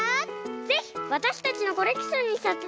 ぜひわたしたちのコレクションにさせてください！